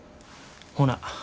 ほな。